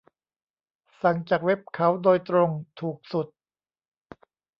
สั่งจากเว็บเขาโดยตรงถูกสุด